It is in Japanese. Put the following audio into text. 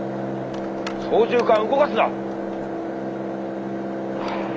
操縦かん動かすな！